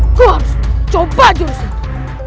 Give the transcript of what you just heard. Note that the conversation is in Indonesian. aku harus mencoba jurus itu